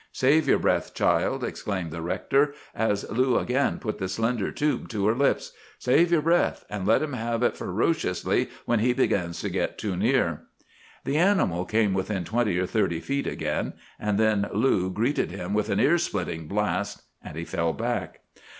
"'Save your breath, child,' exclaimed the rector, as Lou again put the slender tube to her lips. 'Save your breath, and let him have it ferociously when he begins to get too near. "The animal came within twenty or thirty feet again, and then Lou greeted him with an ear splitting blast, and he fell back.